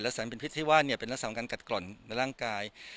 และสารเป็นพิษที่ว่าเนี่ยเป็นลักษณะการกัดกร่อนในร่างกาย